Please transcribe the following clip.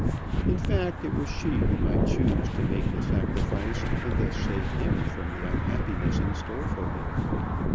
In fact it was she who might choose to make the sacrifice, and thus save him from the unhappiness in store for him.